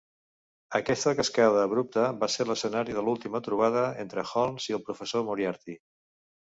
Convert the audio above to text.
Aquesta cascada abrupta va ser l'escenari de l'última trobada entre Holmes i el professor Moriarty.